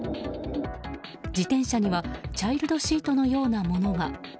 自転車にはチャイルドシートのようなものが。